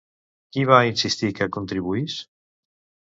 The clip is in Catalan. Qui va insistir que contribuís?